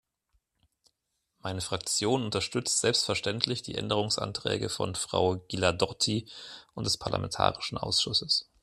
Meine Fraktion unterstützt selbstverständlich die Änderungsanträge von Frau Ghilardotti und des parlamentarischen Ausschusses.